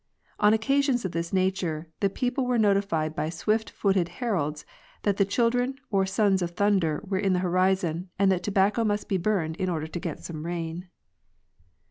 On occasions of this nature the people were notified by swift footed heralds that the children, or sons, of Thunder were in the horizon, and that tobacco must be burned in order to get some rain.